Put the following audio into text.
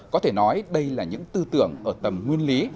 có thể nói đây là những tư tưởng ở tầm nguyên lý